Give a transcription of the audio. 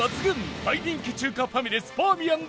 大人気中華ファミレスバーミヤンで「